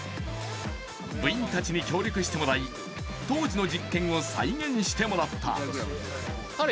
部員たちに協力してもらい当時の実験を再現してもらった。